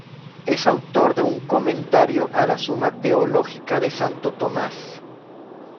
Es autor de un "Comentario a la Suma Teológica de Santo Tomás".